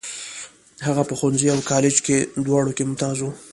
هغه په ښوونځي او کالج دواړو کې ممتاز و.